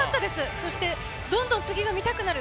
そして、どんどん次が見たくなる。